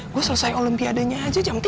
gue selesai olimpiadanya aja jam tiga